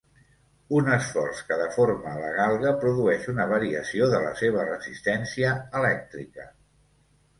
Un esforç que deforma a la galga produeix una variació de la seva resistència elèctrica.